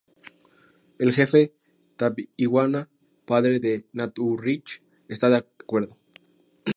El jefe Tab-y-wana, padre de Nat-u-ritch, está de acuerdo.